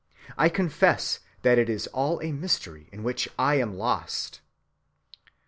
I confess that it is all a mystery in which I am lost."